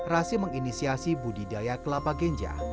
rasim menginisiasi budidaya kelapa ganja